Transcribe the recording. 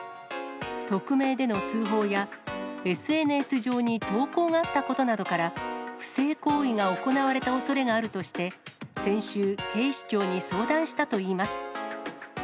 匿名での通報や、ＳＮＳ上に投稿があったことなどから、不正行為が行われたおそれがあるとして、先週、警視庁に相談したといいます。